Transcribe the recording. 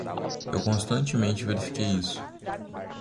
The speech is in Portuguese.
Eu constantemente verifiquei isso.